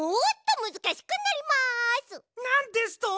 なんですと！